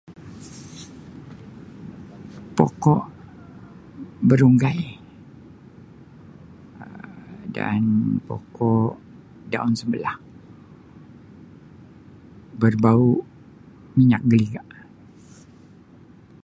Pokok Um Berunggai Um dan Pokok Daun Sebelah berbau minyak geliga.